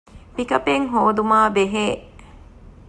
ޕިކަޕެއް ހޯދުމާބެހޭ